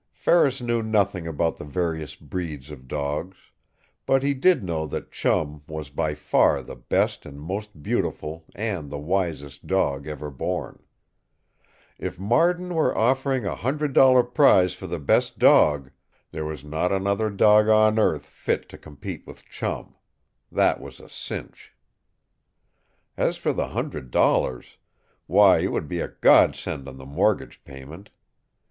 Ferris knew nothing about the various breeds of dogs. But he did know that Chum was by far the best and most beautiful and the wisest dog ever born. If Marden were offering a hundred dollar prize for the best dog, there was not another dog on earth fit to compete with Chum. That was a cinch. As for the hundred dollars why, it would be a godsend on the mortgage payment!